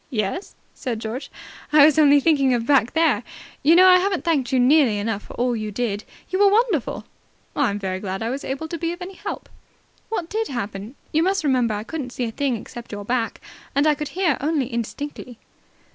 "Yes?" said George. "I was only thinking of back there. You know, I haven't thanked you nearly enough for all you did. You were wonderful." "I'm very glad I was able to be of any help." "What did happen? You must remember I couldn't see a thing except your back, and I could only hear indistinctly."